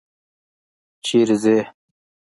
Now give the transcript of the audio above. چیري ځې؟